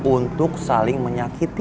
untuk saling menyakiti